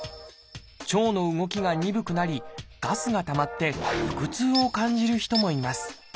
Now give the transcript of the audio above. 腸の動きが鈍くなりガスがたまって腹痛を感じる人もいます。